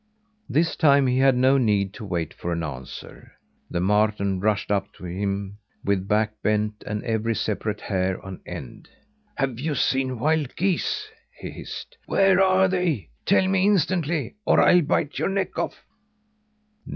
This time he had no need to wait for an answer. The marten rushed up to him with back bent, and every separate hair on end. "Have you seen wild geese?" he hissed. "Where are they? Tell me instantly, or I'll bite your neck off!"